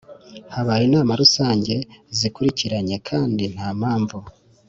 Habaye inama rusange zikurikiranye kandi nta mpamvu